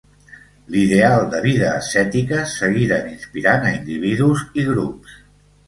L'ideal de vida ascètica seguiren inspirant a individus i grups.